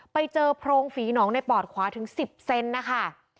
ไปเจอโพรงฝีหนองในปอดขวาถึง๑๐เซนนะคะ